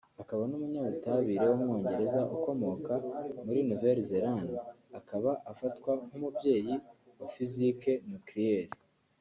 akaba n’umunyabutabire w’umwongereza ukomoka muri Nouvelle Zelande akaba afatwa nk’umubyeyi wa Physique Nucleaire